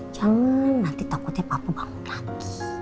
jangan nanti takutnya papua bangun lagi